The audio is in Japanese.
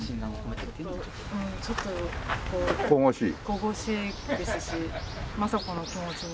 神々しいですし政子の気持ちに。